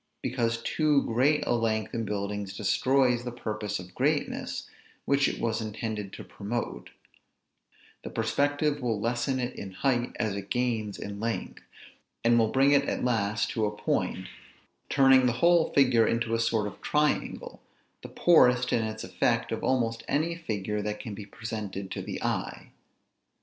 Because too great a length in buildings destroys the purpose of greatness, which it was intended to promote; the perspective will lessen it in height as it gains in length; and will bring it at last to a point; turning the whole figure into a sort of triangle, the poorest in its effect of almost any figure that can be presented to the eye.